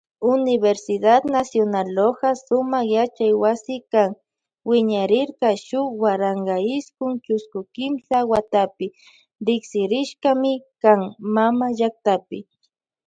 Universidad nacional Loja sumak yachaywasikan wiñarirka shuk waranka iskun chusku kimsa watapi riksirishkami kan mama llaktapi.